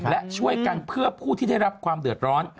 และช่วยกันเพื่อผู้ที่ได้รับความเดือดร้อน